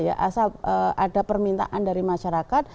ada permintaan dari masyarakat